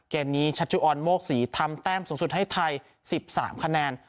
เกมนี้ชัชุออนโมกศรีทำแต้มสูงสุดให้ไทย๑๓คะแนน